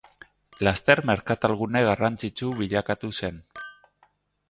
Laster merkatalgune garrantzitsu bilakatu zen.